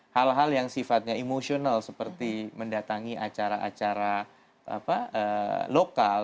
hal hal yang sifatnya emosional seperti mendatangi acara acara lokal